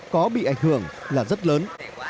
có bị ảnh hưởng là rất lớn